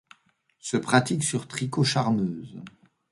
Se pratique sur tricot charmeuse.